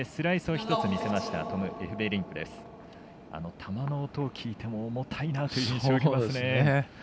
球の音を聞いても重たいなという印象を受けますね。